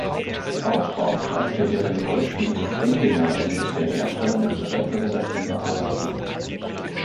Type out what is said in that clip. Auch beauftragte er den Goldschmied Dinglinger mit der Herstellung repräsentativer Arbeiten.